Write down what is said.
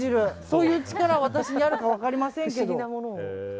そういう力が私にあるか分かりませんけども。